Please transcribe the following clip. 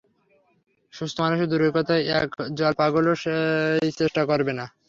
সুস্থ মানুষ দূরের কথা, এক জল পাগলও সেই চেষ্টা করবে না।